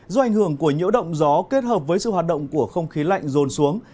do ảnh hưởng của nhiễu động gió kết hợp với sự hoạt động của không khí lạnh rồn xuống